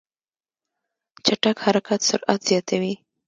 چټک حرکت سرعت زیاتوي.